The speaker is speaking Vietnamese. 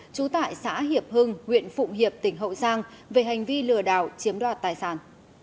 trú tại xã hiệp hưng huyện phụng hiệp tỉnh hậu giang về hành vi lừa đảo chiếm đoạt tài sản